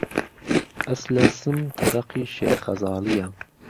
عسله سم تهبهقی شێر خەزاڵيه